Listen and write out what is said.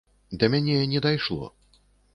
Да мяне не дайшло.